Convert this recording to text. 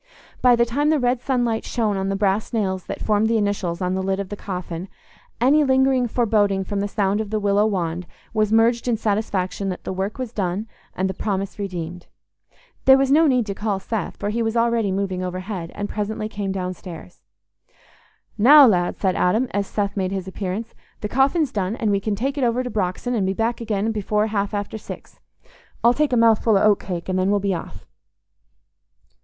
By the time the red sunlight shone on the brass nails that formed the initials on the lid of the coffin, any lingering foreboding from the sound of the willow wand was merged in satisfaction that the work was done and the promise redeemed. There was no need to call Seth, for he was already moving overhead, and presently came downstairs. "Now, lad," said Adam, as Seth made his appearance, "the coffin's done, and we can take it over to Brox'on, and be back again before half after six. I'll take a mouthful o' oat cake, and then we'll be off."